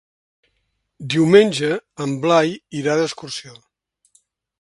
Diumenge en Blai irà d'excursió.